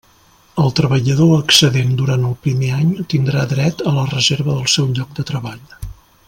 El treballador excedent durant el primer any tindrà dret a la reserva del seu lloc de treball.